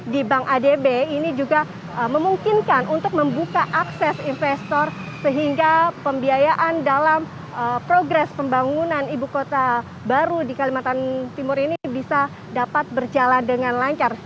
di bank adb ini juga memungkinkan untuk membuka akses investor sehingga pembiayaan dalam progres pembangunan ibu kota baru di kalimantan timur ini bisa dapat berjalan dengan lancar